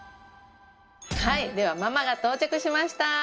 はいではママが到着しました。